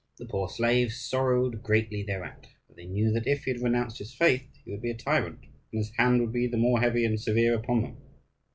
The poor slaves sorrowed greatly thereat, for they knew that if he had renounced his faith he would be a tyrant, and his hand would be the more heavy and severe upon them.